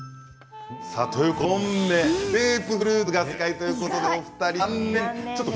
ということで２問目グレープフルーツが正解ということで、お二人残念。